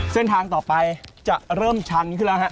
เส้นทางต่อไปจะเริ่มชันขึ้นแล้วฮะ